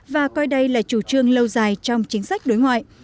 và coi đây là chủ trương lâu dài trong chính sách đối ngoại